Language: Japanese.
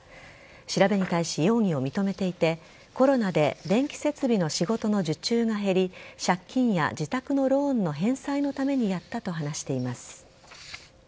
調べに対し、容疑を認めていてコロナで電気設備の仕事の受注が減り借金や自宅のローンの返済のためにやったと話しています。